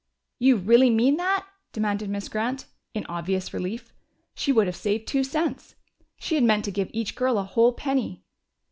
"You really mean that?" demanded Miss Grant, in obvious relief. She would save two cents! She had meant to give each girl a whole penny!